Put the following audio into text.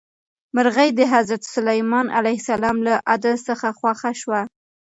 مرغۍ د حضرت سلیمان علیه السلام له عدل څخه خوښه شوه.